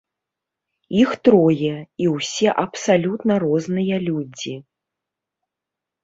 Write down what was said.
Іх трое, і ўсе абсалютна розныя людзі.